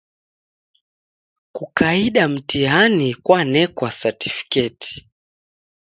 Kukaida mtihani kwanekwa satfiketi.